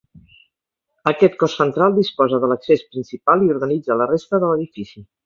Aquest cos central disposa de l'accés principal i organitza la resta de l'edifici.